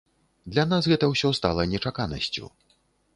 Для нас гэта ўсё стала нечаканасцю.